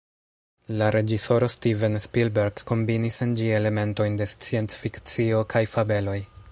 La reĝisoro Steven Spielberg kombinis en ĝi elementojn de sciencfikcio- kaj fabeloj.